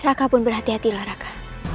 raka pun berhati hatilah raka